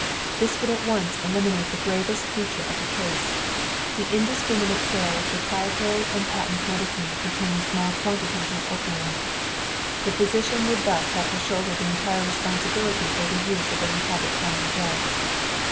This would at once eliminate the gravest feature of the case, the indiscriminate sale of proprietary and patent medicines containing small quantities of opium. The physician would thus have to shoulder the entire responsibility for the use of any habit forming drug.